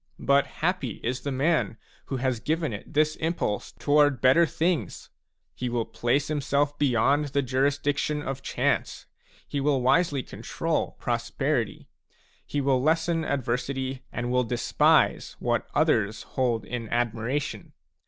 But happy is the man who has given it this impulse toward better things ! He will place himself beyond the jurisdiction of chance ; he will wisely control prosperity ; he will lessen adversity, and will despise what others hold in admiration.